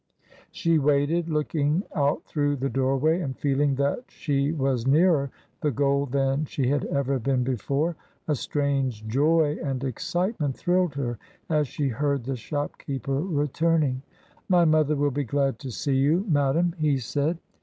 She waited, looking out through the doorway, and feeling that she was nearer the goal than she had ever been before. A strange joy and excitement thrilled her as she heard the shopkeeper returning. "My mother will be glad to see you, madam," he said.